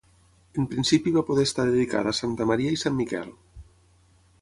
En principi va poder estar dedicada a Santa Maria i Sant Miquel.